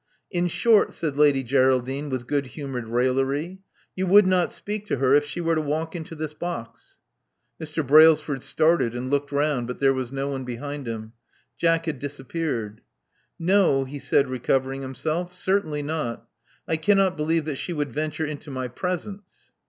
In short/* said Lady Geraldine, with good humored raillery, you would not speak to her if she were to walk into this box." Mr. Brailsford started and looked round; but there was no one behind him: Jack had disappeared. No," he said, recovering himself. Certainly not I cannot believe that she would venture into my presence."